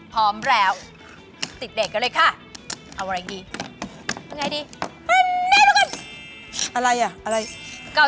เหมือนกันไงถ้าเรา